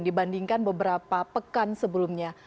dibandingkan beberapa pekan sebelumnya